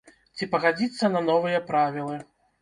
Ці пагадзіцца на новыя правілы.